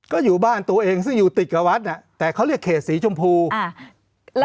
ก็อยู่บ้านตัวเองซึ่งอยู่ติดกับวัดน่ะแต่เขาเรียกเขตสีชมพูอ่า